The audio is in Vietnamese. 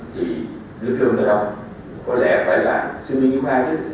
thì lực lượng này đâu có lẽ phải là sinh viên y hai chứ